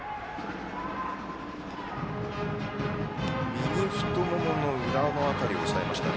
右太ももの裏の辺りを押さえましたね。